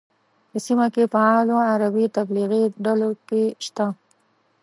په سیمه کې فعالو عربي تبلیغي ډلو کې شته.